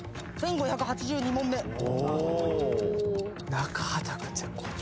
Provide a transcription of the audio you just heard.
・中畠君絶好調。